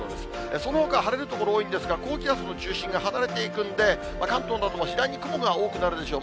そのほか晴れる所多いんですが、高気圧の中心が離れていくんで、関東なども次第に雲が多くなるでしょう。